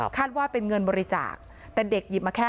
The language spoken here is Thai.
ว่าเป็นเงินบริจาคแต่เด็กหยิบมาแค่